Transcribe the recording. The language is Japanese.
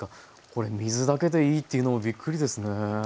これ水だけでいいというのもびっくりですね。